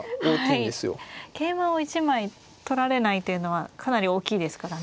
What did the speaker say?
桂馬を１枚取られないというのはかなり大きいですからね。